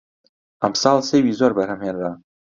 ئەمساڵ سێوی زۆر بەرهەم هێنرا